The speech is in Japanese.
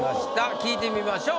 聞いてみましょう。